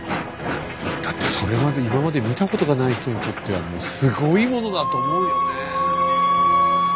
だってそれまで今まで見たことがない人にとってはもうすごいものだと思うよね。